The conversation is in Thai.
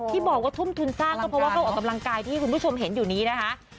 ที่บอกว่าทุ่มทุนสร้างก็เพราะว่าเข้าออกกำลังกายที่คุณผู้ชมเห็นอยู่นี้นะคะ